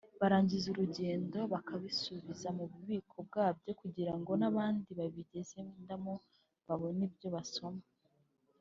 barangiza urugendo bakabisubiza mu bubiko bwabyo kugira ngo n’abandibazigendamo babone ibyo basoma